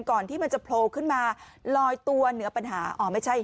ก่อนที่มันจะโผล่ขึ้นมาลอยตัวเหนือปัญหาอ๋อไม่ใช่